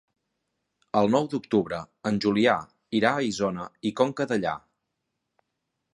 El nou d'octubre en Julià irà a Isona i Conca Dellà.